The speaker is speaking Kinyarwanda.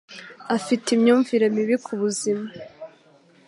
Afite imyumvire mibi ku buzima.